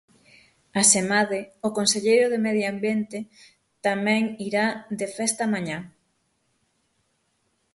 Asemade, o conselleiro de Medio Ambiente tamén irá de festa mañá.